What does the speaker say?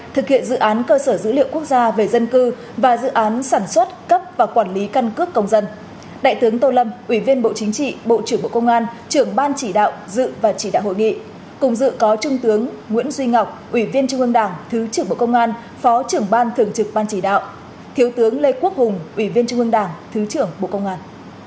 thứ trưởng bộ công an phó trưởng ban thường trực ban chỉ đạo thiếu tướng lê quốc hùng ủy viên trung ương đảng thứ trưởng bộ công an